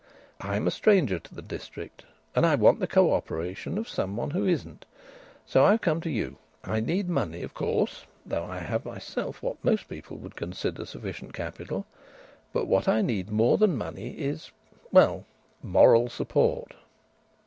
I'm a stranger to the district, and I want the co operation of some one who isn't. So I've come to you. I need money, of course, though I have myself what most people would consider sufficient capital. But what I need more than money is well moral support."